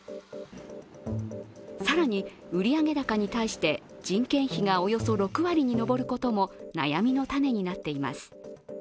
更に、売上高に対して人件費がおよそ６割に上ることも悩みの種になっています。